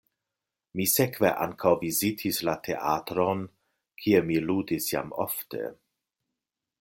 Mi sekve ankaŭ vizitis la teatron, kie mi ludis jam ofte.